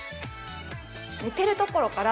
寝てるところから